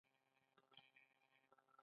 ایا مرستې ته اړتیا لرئ؟